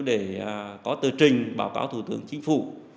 để có tờ trình báo cáo thủ tướng chính phủ